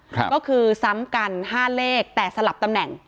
ก็คือซ้ำกันห้าเลขแต่สลับตำแหน่ง